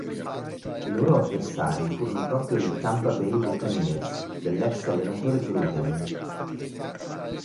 I loro avversari furono proprio i Tampa Bay Buccaneers dell'ex allenatore Gruden.